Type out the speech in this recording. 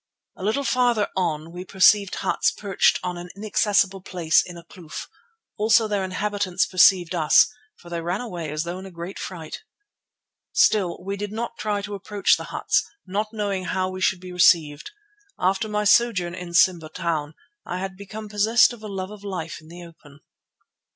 A little farther on we perceived huts perched on an inaccessible place in a kloof. Also their inhabitants perceived us, for they ran away as though in a great fright. Still we did not try to approach the huts, not knowing how we should be received. After my sojourn in Simba Town I had become possessed of a love of life in the open.